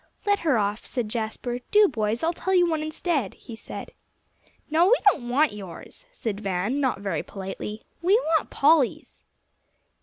"Let her off," said Jasper; "do, boys. I'll tell you one instead," he said. "No, we don't want yours," said Van, not very politely. "We want Polly's."